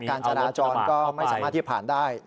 การจราจรก็ไม่สามารถที่ผ่านได้